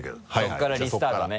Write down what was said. そこからリスタートね。